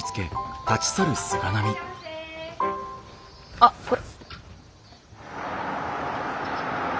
あっこれ。